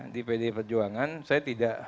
di pdi perjuangan saya tidak